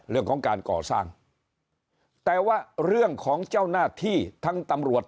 เรื่องของการก่อสร้างแต่ว่าเรื่องของเจ้าหน้าที่ทั้งตำรวจ